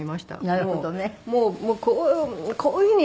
なるほどね。